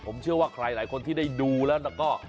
ผมเชื่อว่าใครหลายคนที่ได้ดูแล้วก็